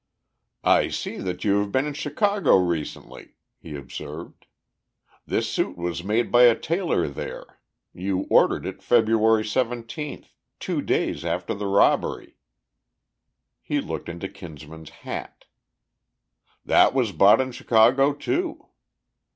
"I see that you have been in Chicago recently," he observed. "This suit was made by a tailor there. You ordered it February 17th, two days after the robbery." He looked into Kinsman's hat. "That was bought in Chicago, too."